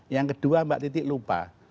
yang kedua mbak titi lupa